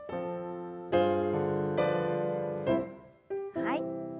はい。